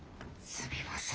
すみません